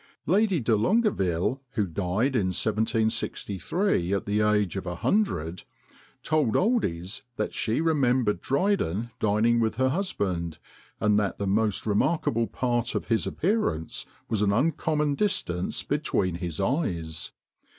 Lady de Longueville, who died in 1763 at the age of a hundred, told Oldys that she remembered Dryden dining with her husband, and that the most remarkable part of his appearance was an uncommon distance between his eyes.